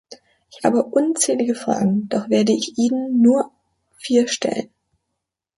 Ich habe unzählige Fragen, doch werde ich Ihnen nur vier stellen.